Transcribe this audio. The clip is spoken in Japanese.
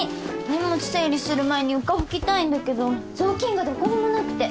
荷物整理する前に床拭きたいんだけど雑巾がどこにもなくて。